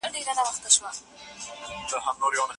څوک غواړي چي له ما سره مرسته وکړي؟